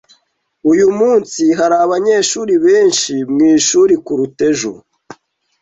Uyu munsi hari abanyeshuri benshi mwishuri kuruta ejo.